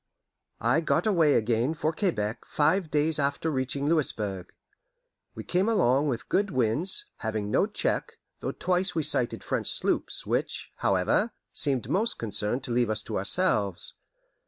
I got away again for Quebec five days after reaching Louisburg. We came along with good winds, having no check, though twice we sighted French sloops, which, however, seemed most concerned to leave us to ourselves.